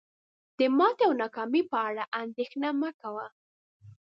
د ماتي او ناکامی په اړه اندیښنه مه کوه